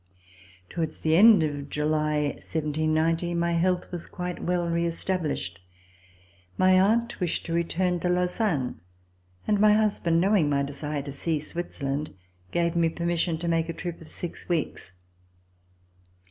Towards the end of July, 1790, my health was quite well reestablished. My aunt wished to return to Lausanne, and my husband, knowing my desire to see Switzerland, gave me permission to make a trip of six weeks.